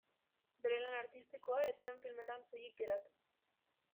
Bere lan artistikoa ez zen filmetan soilik geratu.